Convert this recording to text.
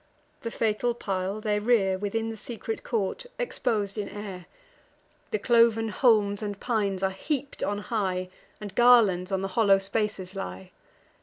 The fatal pile they rear, Within the secret court, expos'd in air. The cloven holms and pines are heap'd on high, And garlands on the hollow spaces lie.